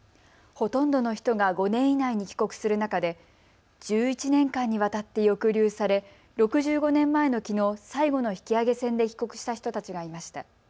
ほとんどの人が５年以内に帰国する中で１１年間にわたって抑留され６５年前のきのう、最後の引き揚げ船で帰国した人たちがいました。